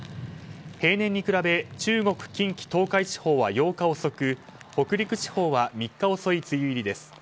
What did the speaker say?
平年に比べ中国・近畿・東海地方は８日遅く北陸地方は３日遅い梅雨入りです。